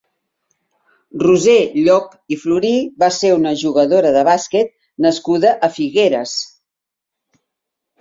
Roser Llop i Florí va ser una jugadora de bàsquet nascuda a Figueres.